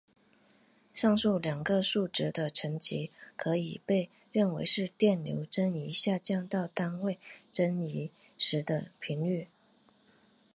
上述两个数值的乘积可以被认为是电流增益下降到单位增益时的频率。